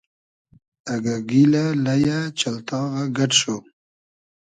اگۂ گیلۂ ، لئیۂ ، چئلتاغۂ گئۮ شو